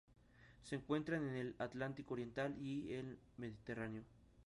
Se encuentran en el Atlántico oriental y en el Mediterráneo.